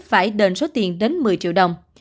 phải đền số tiền đến một mươi triệu đồng